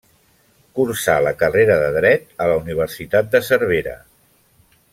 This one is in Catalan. Cursà la carrera de dret a la Universitat de Cervera.